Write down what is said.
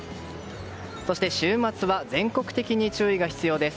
そして週末は全国的に注意が必要です。